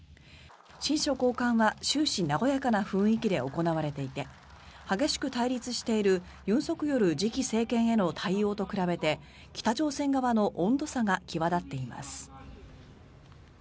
親書交換は終始、和やかな雰囲気で行われていて激しく対立している尹錫悦次期政権への対応と比べて北朝鮮側の温度差が際立っています。